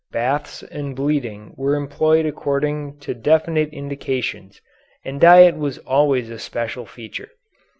Baths and bleeding were employed according to definite indications and diet was always a special feature.